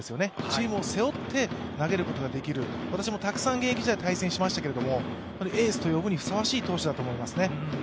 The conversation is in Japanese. チームを背負って投げることができる、私もたくさん現役時代に対戦しましたけれども、エースと呼ぶにふさわしい投手だと思いますね。